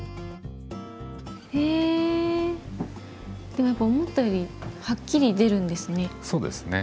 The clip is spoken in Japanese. へでもやっぱ思ったよりはっきり出るんですね。